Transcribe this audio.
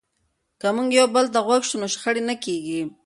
که موږ یو بل ته غوږ شو نو شخړې نه کېږي.